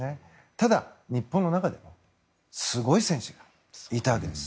ただ、日本の中でもすごい選手がいたわけです。